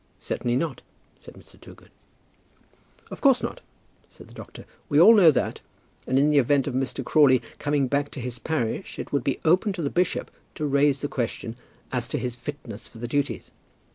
"Certainly not," said Mr. Toogood. "Of course not," said the doctor. "We all know that; and in the event of Mr. Crawley coming back to his parish it would be open to the bishop to raise the question as to his fitness for the duties."